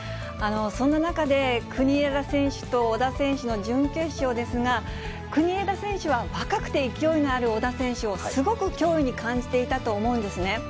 そんな中で、国枝選手と小田選手の準決勝ですが、国枝選手は若くて勢いのある小田選手を、すごく脅威に感じていたと思うんですね。